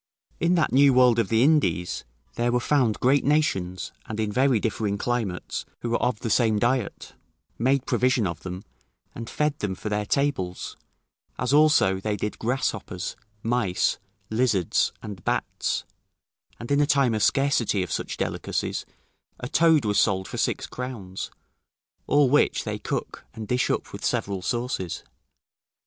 In that new world of the Indies, there were found great nations, and in very differing climates, who were of the same diet, made provision of them, and fed them for their tables; as also, they did grasshoppers, mice, lizards, and bats; and in a time of scarcity of such delicacies, a toad was sold for six crowns, all which they cook, and dish up with several sauces.